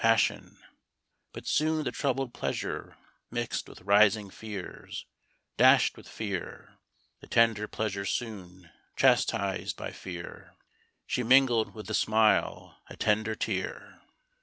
passion But soon the troubled pleasure mixt with rising fears, dash'd with fear, The tender pleasure soon, chastised by fear, She mingled with the smile a tender tear.